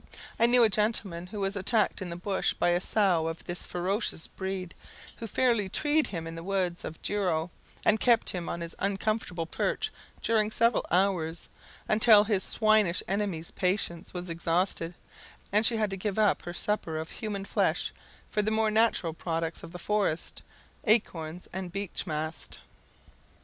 I knew a gentleman who was attacked in the bush by a sow of this ferocious breed, who fairly treed him in the woods of Douro, and kept him on his uncomfortable perch during several hours, until his swinish enemy's patience was exhausted, and she had to give up her supper of human flesh for the more natural products of the forest, acorns and beech mast.